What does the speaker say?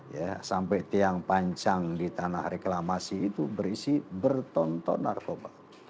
ya sampai tiang panjang di tanah reklamasi itu berisi bertonton narkoba